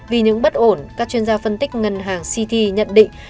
vì những bất ổn các chuyên gia phân tích ngân hàng city nhận định